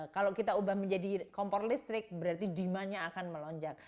kalau kita ubah menjadi kompor listrik berarti demandnya akan melonjak